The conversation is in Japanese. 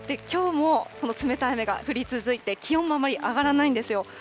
きょうもこの冷たい雨が降り続いて、気温もあまり上がらないんですよ。